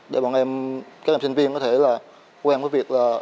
để các em sinh viên có thể quen với việc